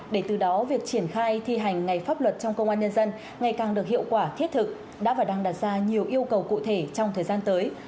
để từ đó việc triển khai thi hành ngày pháp luật trong công an nhân dân ngày càng được hiệu quả thiết thực đã và đang đặt ra nhiều yêu cầu cụ thể trong thời gian tới